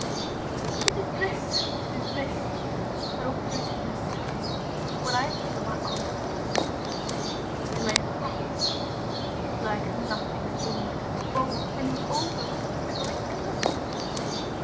"It is this, it is this that oppresses my soul, Â Â Â Â When I think of my uncle's last words: And my heart is like nothing so much as a bowl Â Â Â Â Brimming over with quivering curds!